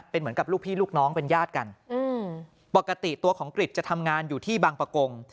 เป็นเหมือนกับลูกพี่ลูกน้องเป็นญาติกันปกติตัวของกริจจะทำงานอยู่ที่บางประกง